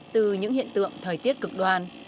từ những hiện tượng thời tiết cực đoan